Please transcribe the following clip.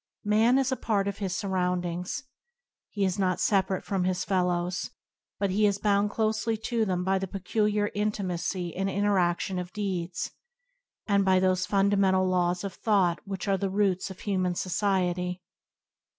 Man is a part of his surroundings. He is not separate from his fellows, but is bound closely to them by the peculiar inti macy and interaction of deeds, and by those fundamental laws of thought which are the roots of human society.